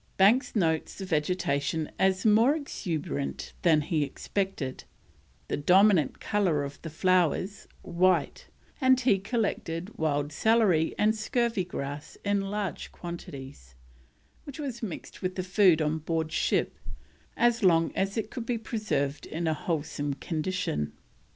Banks notes the vegetation as more exuberant than he expected; the dominant colour of the flowers, white; and he collected wild celery and scurvy grass in large quantities, which was mixed with the food on board ship as long as it could be preserved in a wholesome condition.